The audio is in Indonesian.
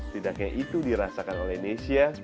tidaknya itu dirasakan oleh indonesia